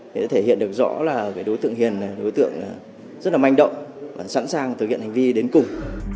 để thể hiện được rõ là đối tượng hiền là đối tượng rất là manh động và sẵn sàng thực hiện hành vi đến cùng